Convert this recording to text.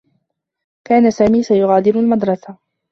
كان سامي سيغادر المدرسة.